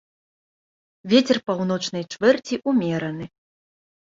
Вецер паўночнай чвэрці ўмераны.